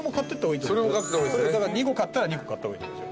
だから２個買ったら２個買った方がいいってこと。